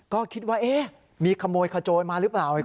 ก็คิดว่ามีขโมยขโจรมาหรือเปล่า